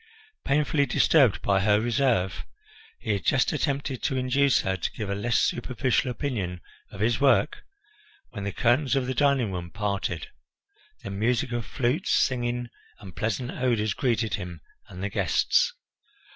Painfully disturbed by her reserve, he had just attempted to induce her to give a less superficial opinion of his work, when the curtains of the dining room parted the music of flutes, singing, and pleasant odours greeted him and the guests.